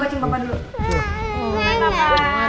cium dulu papa